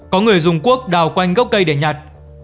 có người dùng cuốc đào quanh gốc cây để nhặt